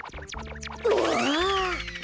うわ。